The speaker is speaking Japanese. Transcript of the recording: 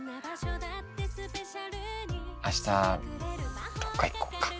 明日どっか行こっか。